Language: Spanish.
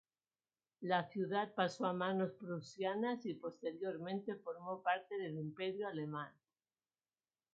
La ciudad pasó a manos prusianas y posteriormente formó parte del Imperio Alemán.